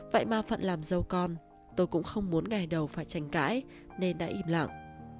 vậy ma phận làm dâu con tôi cũng không muốn ngày đầu phải tranh cãi nên đã im lặng